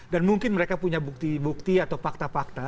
dan mungkin mereka punya bukti bukti atau fakta fakta